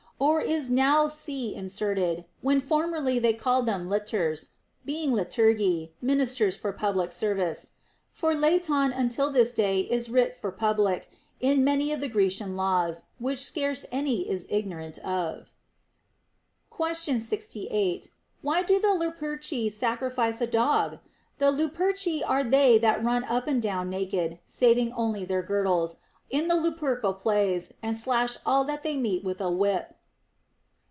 Or is now c inserted, when formerly they called them litores, being liturgi, ministers for public service ; for l\finv until this day is writ for public in many of the Grecian laws, which scarce any is ignorant of. Question 68. Why do the Luperci sacrifice a dog % The Luperci are they that run up and down naked (saving only their girdles) in the Lupercal plays, and slash all that they meet with a whip.